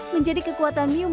menjadi kekuatan miu mosa